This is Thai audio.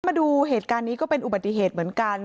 มาดูเหตุการณ์นี้ก็เป็นอุบัติเหตุเหมือนกัน